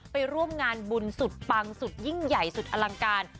ไปร่วมงานบุญสุดปังสุดยิ่งใหญ่สุดอลังการ